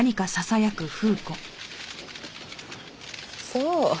そう。